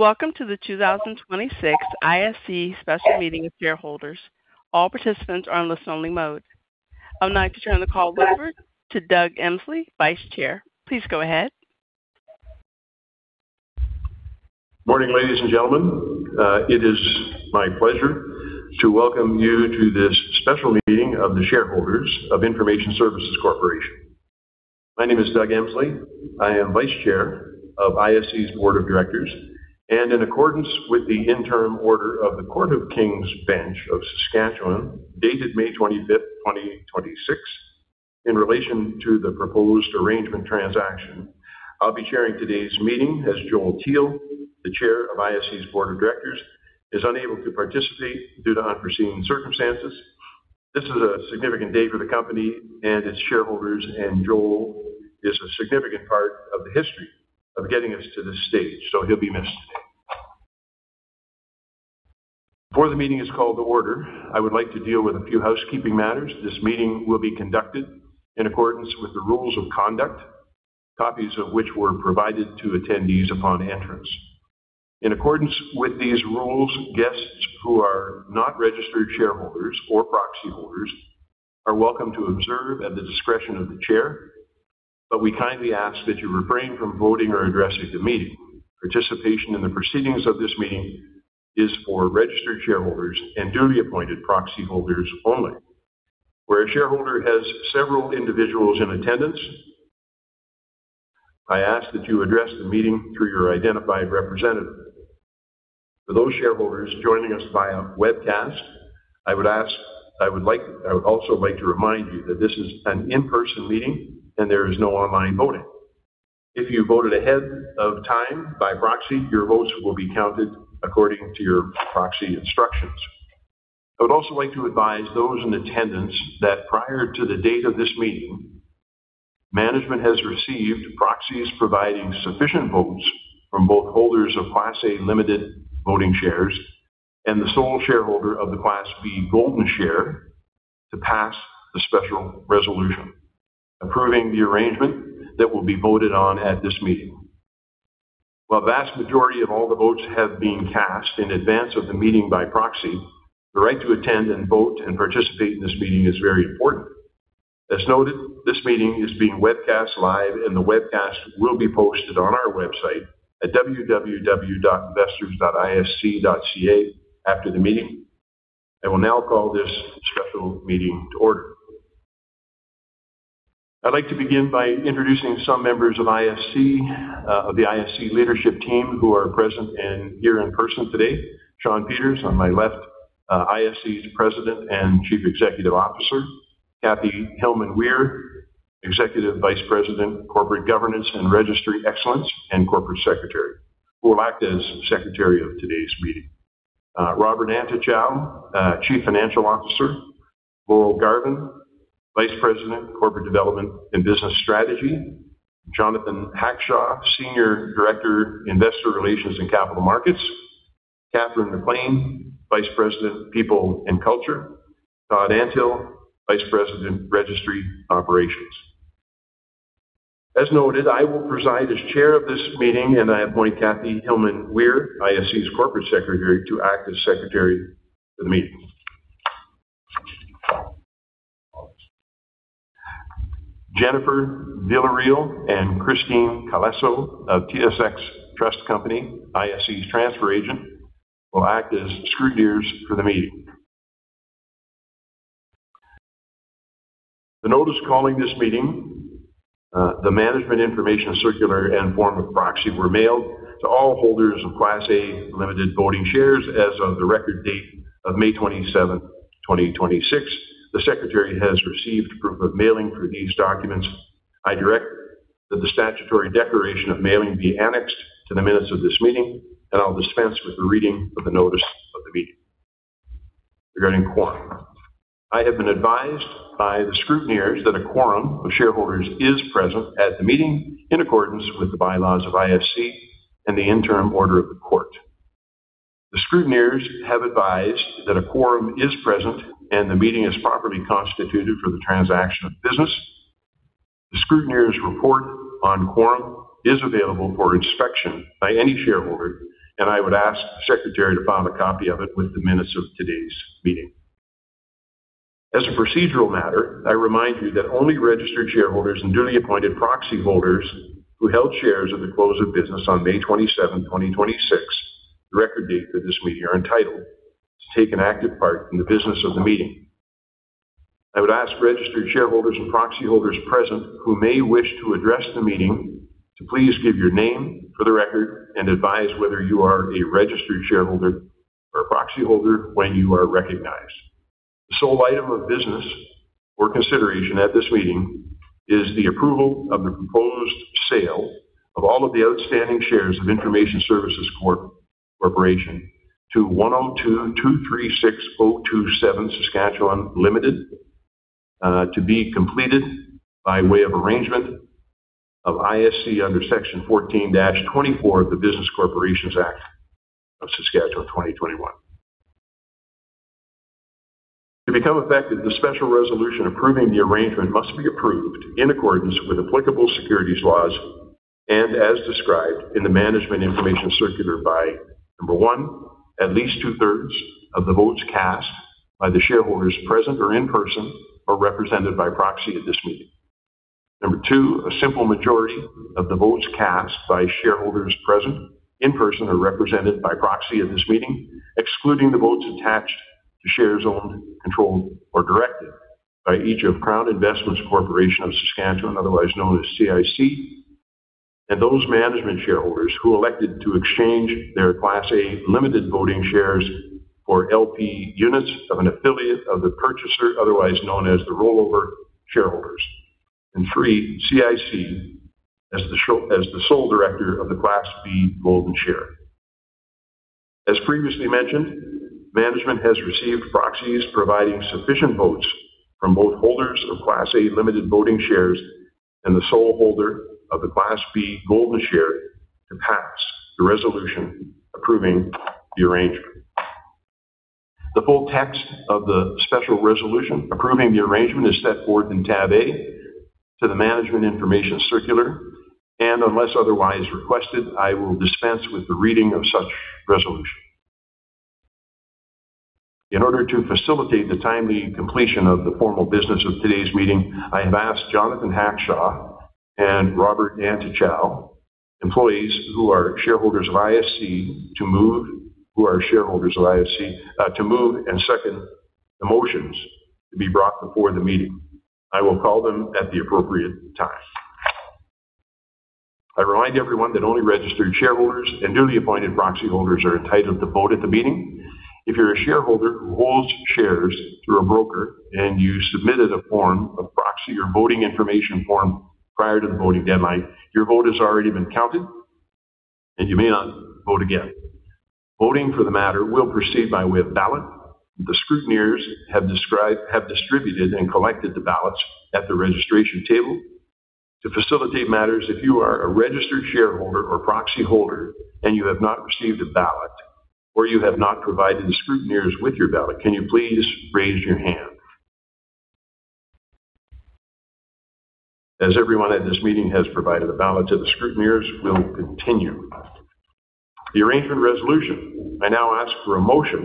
Welcome to the 2026 ISC Special Meeting of Shareholders. All participants are on listen only mode. I would like to turn the call over to Doug Emsley, Vice Chair. Please go ahead. Morning, ladies and gentlemen. It is my pleasure to welcome you to this special meeting of the shareholders of Information Services Corporation. My name is Doug Emsley. I am Vice Chair of ISC's Board of Directors, and in accordance with the interim order of the Court of King's Bench for Saskatchewan, dated May 25th, 2026, in relation to the proposed arrangement transaction, I'll be chairing today's meeting as Joel Teal, the Chair of ISC's Board of Directors, is unable to participate due to unforeseen circumstances. This is a significant day for the company and its shareholders. Joel is a significant part of the history of getting us to this stage. He'll be missed today. Before the meeting is called to order, I would like to deal with a few housekeeping matters. This meeting will be conducted in accordance with the rules of conduct, copies of which were provided to attendees upon entrance. In accordance with these rules, guests who are not registered shareholders or proxy holders are welcome to observe at the discretion of the chair. We kindly ask that you refrain from voting or addressing the meeting. Participation in the proceedings of this meeting is for registered shareholders and duly appointed proxy holders only. Where a shareholder has several individuals in attendance, I ask that you address the meeting through your identified representative. For those shareholders joining us via webcast, I would also like to remind you that this is an in-person meeting and there is no online voting. If you voted ahead of time by proxy, your votes will be counted according to your proxy instructions. I would also like to advise those in attendance that prior to the date of this meeting, management has received proxies providing sufficient votes from both holders of Class A limited voting shares and the sole shareholder of the Class B golden share to pass the special resolution, approving the arrangement that will be voted on at this meeting. While vast majority of all the votes have been cast in advance of the meeting by proxy, the right to attend and vote and participate in this meeting is very important. As noted, this meeting is being webcast live. The webcast will be posted on our website at www.investors.isc.ca after the meeting. I will now call this special meeting to order. I'd like to begin by introducing some members of the ISC leadership team who are present and here in person today. Shawn Peters on my left, ISC's President and Chief Executive Officer. Kathy Hillman-Weir, Executive Vice President, Corporate Governance and Registry Excellence and Corporate Secretary, who will act as secretary of today's meeting. Robert Antochow, Chief Financial Officer. Laurel Garven, Vice President, Corporate Development and Business Strategy. Jonathan Hackshaw, Senior Director, Investor Relations and Capital Markets. Catherine McLean, Vice President, People and Culture. Todd Antill, Vice President, Registry Operations. As noted, I will preside as chair of this meeting, and I appoint Kathy Hillman-Weir, ISC's Corporate Secretary, to act as secretary for the meeting. Jennifer Villarreal and Kristine Calesso of TSX Trust Company, ISC's transfer agent, will act as scrutineers for the meeting. The notice calling this meeting, the management information circular, and form of proxy were mailed to all holders of Class A limited voting shares as of the record date of May 27th, 2026. The secretary has received proof of mailing for these documents. I direct that the statutory declaration of mailing be annexed to the minutes of this meeting, and I'll dispense with the reading of the notice of the meeting. Regarding quorum, I have been advised by the scrutineers that a quorum of shareholders is present at the meeting in accordance with the bylaws of ISC and the interim order of the court. The scrutineers have advised that a quorum is present and the meeting is properly constituted for the transaction of business. The scrutineers' report on quorum is available for inspection by any shareholder, and I would ask the secretary to file a copy of it with the minutes of today's meeting. As a procedural matter, I remind you that only registered shareholders and duly appointed proxy holders who held shares at the close of business on May 27th, 2026, the record date for this meeting, are entitled to take an active part in the business of the meeting. I would ask registered shareholders and proxy holders present who may wish to address the meeting to please give your name for the record and advise whether you are a registered shareholder or a proxy holder when you are recognized. The sole item of business for consideration at this meeting is the approval of the proposed sale of all of the outstanding shares of Information Services Corporation to 102236027 Saskatchewan Ltd., to be completed by way of arrangement of ISC under Section 192 of The Business Corporations Act, 2021. To become effective, the special resolution approving the arrangement must be approved in accordance with applicable securities laws and as described in the management information circular by, number one, at least 2/3 of the votes cast by the shareholders present or in person are represented by proxy at this meeting. Number two, a simple majority of the votes cast by shareholders present in person are represented by proxy at this meeting, excluding the votes attached to shares owned, controlled, or directed by each of Crown Investments Corporation of Saskatchewan, otherwise known as CIC, and those management shareholders who elected to exchange their Class A limited voting shares for LP units of an affiliate of the purchaser, otherwise known as the rollover shareholders. Three, CIC as the sole director of the Class B golden share. As previously mentioned, management has received proxies providing sufficient votes from both holders of Class A limited voting shares and the sole holder of the Class B golden share to pass the resolution approving the arrangement. The full text of the special resolution approving the arrangement is set forth in Tab A to the management information circular, and unless otherwise requested, I will dispense with the reading of such resolution. In order to facilitate the timely completion of the formal business of today’s meeting, I advance Jonathan Hackshaw and Robert Antochow, employees who are shareholders of ISC, to move and second the motions to be brought before the meeting. I will call them at the appropriate time. I remind everyone that only registered shareholders and duly appointed proxy holders are entitled to vote at the meeting. If you’re a shareholder who holds shares through a broker and you submitted a form of proxy or voting information form prior to the voting deadline, your vote has already been counted, and you may not vote again. Voting for the matter will proceed by way of ballot. The scrutineers have distributed and collected the ballots at the registration table. To facilitate matters, if you are a registered shareholder or proxy holder and you have not received a ballot, or you have not provided the scrutineers with your ballot, can you please raise your hand? As everyone at this meeting has provided a ballot to the scrutineers, we’ll continue. The arrangement resolution. I now ask for a motion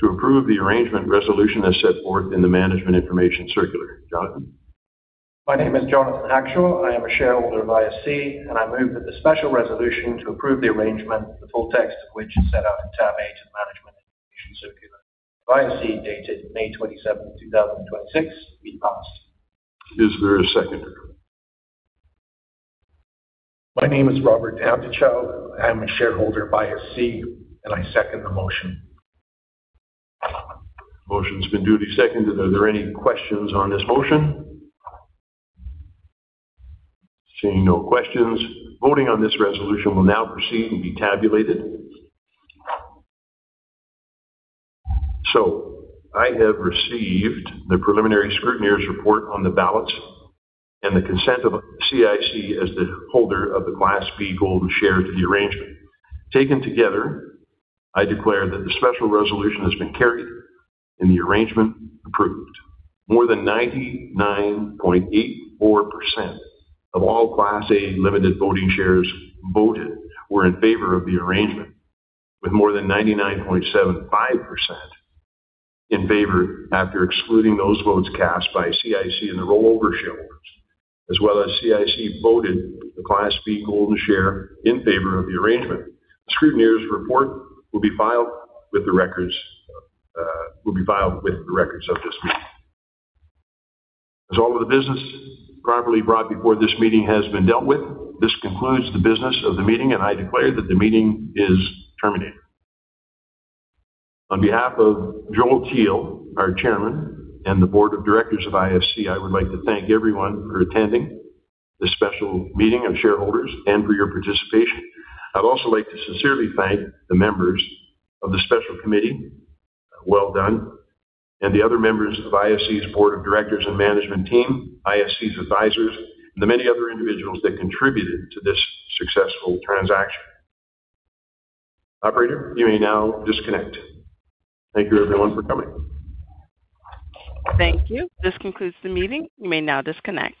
to approve the arrangement resolution as set forth in the management information circular. Jonathan. My name is Jonathan Hackshaw. I am a shareholder of ISC, and I move that the special resolution to approve the arrangement, the full text of which is set out in Tab A to the management information circular of ISC dated May 27, 2026, be passed. Is there a seconder? My name is Robert Antochow. I am a shareholder of ISC. I second the motion. Motion’s been duly seconded. Are there any questions on this motion? Seeing no questions, voting on this resolution will now proceed and be tabulated. I have received the preliminary scrutineer’s report on the ballots and the consent of CIC as the holder of the Class B golden share to the arrangement. Taken together, I declare that the special resolution has been carried and the arrangement approved. More than 99.84% of all Class A limited voting shares voted were in favor of the arrangement, with more than 99.75% in favor after excluding those votes cast by CIC and the rollover shareholders, as well as CIC voted the Class B golden share in favor of the arrangement. The scrutineer’s report will be filed with the records of this meeting. As all of the business properly brought before this meeting has been dealt with, this concludes the business of the meeting. I declare that the meeting is terminated. On behalf of Joel Teal, our chairman, and the board of directors of ISC, I would like to thank everyone for attending this special meeting of shareholders and for your participation. I’d also like to sincerely thank the members of the special committee, well done, and the other members of ISC’s board of directors and management team, ISC’s advisors, and the many other individuals that contributed to this successful transaction. Operator, you may now disconnect. Thank you everyone for coming. Thank you. This concludes the meeting. You may now disconnect.